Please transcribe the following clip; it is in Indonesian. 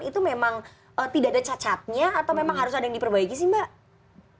itu memang tidak ada cacatnya atau memang harus ada yang diperbaiki sih mbak